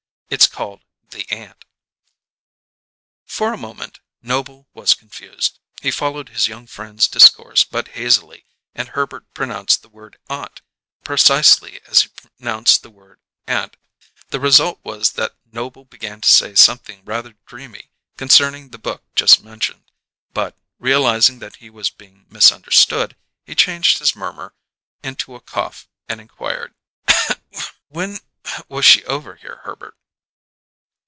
It's called 'The Ant.'" For a moment Noble was confused; he followed his young friend's discourse but hazily, and Herbert pronounced the word "ant" precisely as he pronounced the word "aunt." The result was that Noble began to say something rather dreamy concerning the book just mentioned, but, realizing that he was being misunderstood, he changed his murmur into a cough, and inquired: "When was she over here, Herbert?"